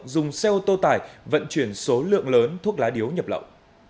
dùng xe ô tô tải vận chuyển số lượng lớn thuốc lá điếu nhập lậu